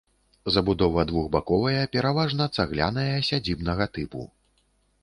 Забудова двухбаковая, пераважна цагляная, сядзібнага тыпу.